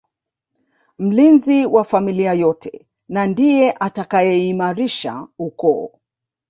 Mlinzi wa familia yote na ndiye atakayeimarisha ukoo